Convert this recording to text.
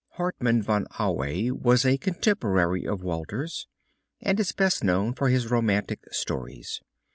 Hartman von Aue was a contemporary of Walter's and is best known for his romantic stories.